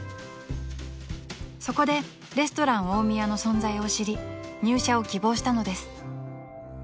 ［そこでレストラン大宮の存在を知り入社を希望したのです］